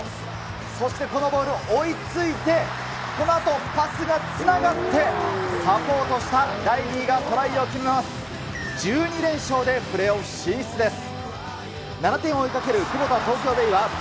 そしてこのボールを追いついて、このあとパスがつながって、サポートしたが１２連勝でプレーオフ進出です。